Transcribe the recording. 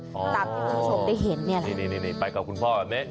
หรออ่าาตามที่ผู้ชมได้เห็นนี่แหละนี่ไปกับคุณพ่อกับเมส